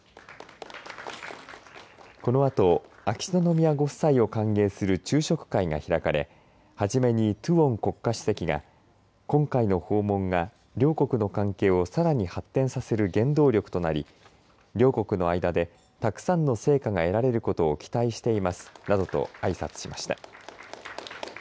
このあと、秋篠宮ご夫妻を歓迎する昼食会が開かれはじめにトゥオン国家主席が今回の訪問が両国の関係をさらに発展させる原動力となり両国の間でたくさんの成果が得られることを期待していますなどとあいさつしました。